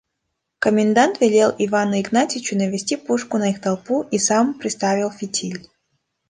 Комендант велел Ивану Игнатьичу навести пушку на их толпу и сам приставил фитиль.